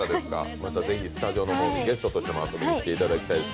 またぜひスタジオの方にゲストとしても来ていただきたいです。